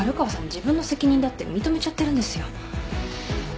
自分の責任だって認めちゃってるんですよ。